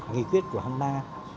nghĩ quyết của hôm nay